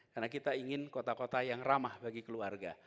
karena kita ingin kota kota yang ramah bagi keluarga